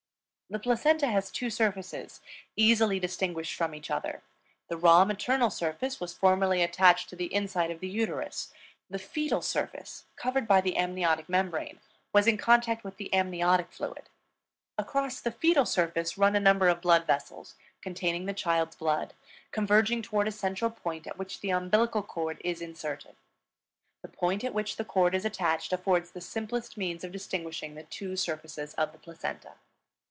The placenta has two surfaces, easily distinguished from each other. The raw maternal surface was formerly attached to the inside of the uterus; the fetal surface, covered by the amniotic membrane, was in contact with the amniotic fluid. Across the fetal surface run a number of blood vessels containing the child's blood, converging toward a central point at which the umbilical cord is inserted. The point at which the cord is attached affords the simplest means of distinguishing the two surfaces of the placenta.